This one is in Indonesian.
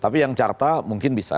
tapi yang carta mungkin bisa